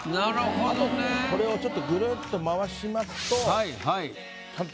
あとこれをちょっとぐるっと回しますとちゃんと。